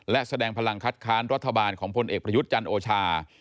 และแสดงพลังคัดค้านรัฐบาลของพลเอกประยุทธ์จันทร์โอชา